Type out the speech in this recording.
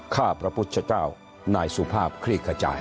ข้าพระพุทธเจ้านายสุภาพคลี่ขจาย